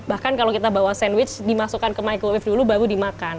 bahkan kalau kita bawa sandwich dimasukkan ke microwave dulu baru dimakan